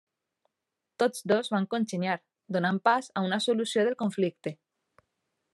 Tots dos van congeniar, donant pas a una solució del conflicte.